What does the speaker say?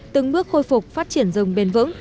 từng bước khôi phục phát triển rừng bền vững